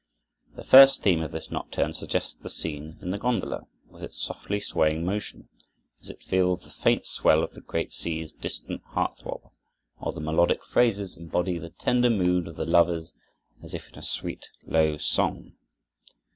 The first theme of this nocturne suggests the scene in the gondola, with its softly swaying motion as it feels the faint swell of the great sea's distant heart throb, while the melodic phrases embody the tender mood of the lovers as if in a sweet, low song.